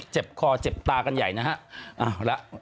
เจ็บคอเจ็บตากันใหญ่นะฮะ